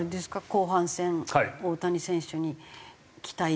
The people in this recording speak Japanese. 後半戦大谷選手に期待できる？